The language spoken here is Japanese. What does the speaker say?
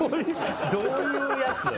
どういうやつだ？